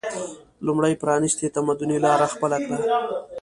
لومړی پرانیستي تمدني لاره خپله کړه